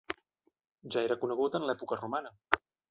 Ja era conegut en l'època romana.